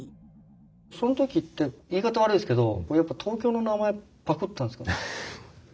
その時って言い方悪いですけどやっぱ東京の名前パクったんですかね？